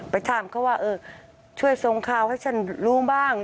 ไปถามเขาว่าเออช่วยส่งข่าวให้ฉันรู้บ้าง